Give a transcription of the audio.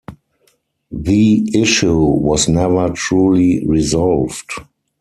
The issue was never truly resolved.